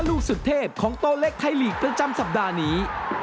ลูกสุดเทพของโตเล็กไทยลีกประจำสัปดาห์นี้